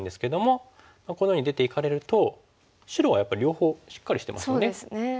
このように出ていかれると白はやっぱり両方しっかりしてますよね。